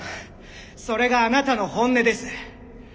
それがあなたの本音です。